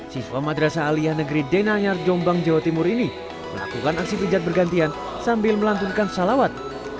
siswa madrasah aliyah negeri denanyar jombang jawa timur ini melakukan aksi pijat bergantian sambil melantunkan salawat